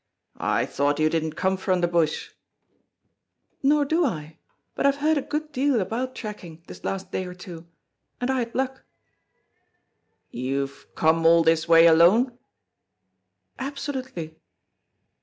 "I thought you didn't come from the bush?" "Nor do I; but I have heard a good deal about tracking, this last day or two; and I had luck." "You've come all this way alone?" "Absolutely."